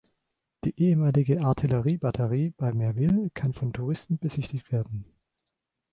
Die ehemalige Artilleriebatterie bei Merville kann von Touristen besichtigt werden.